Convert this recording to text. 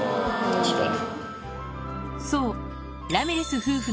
確かに。